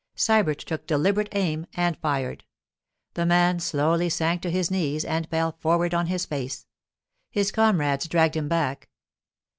Sybert took deliberate aim and fired. The man slowly sank to his knees and fell forward on his face. His comrades dragged him back.